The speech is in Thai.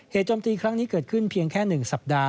โจมตีครั้งนี้เกิดขึ้นเพียงแค่๑สัปดาห